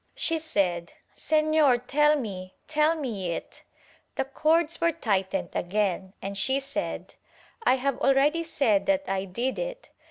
She said, "Senor tell me, tell me it." The cords were tightened again, and she said "I have already said that I did it."